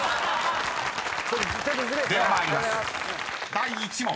第１問］